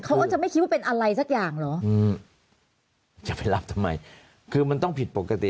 เขาก็จะไม่คิดว่าเป็นอะไรสักอย่างเหรออืมจะไปรับทำไมคือมันต้องผิดปกติ